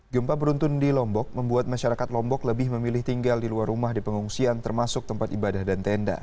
gempa beruntun di lombok membuat masyarakat lombok lebih memilih tinggal di luar rumah di pengungsian termasuk tempat ibadah dan tenda